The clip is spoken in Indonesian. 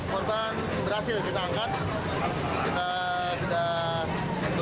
korban berhasil kita angkat